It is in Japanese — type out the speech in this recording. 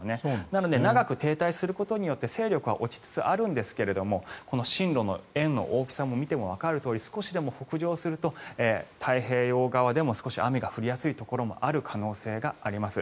なので長く停滞することによって勢力は落ちつつあるんですが進路の円の大きさを見てもわかるように少しでも北上すると太平洋側でも、少し雨が降りやすいところもある可能性もあります。